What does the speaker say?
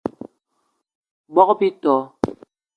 Bogb-ito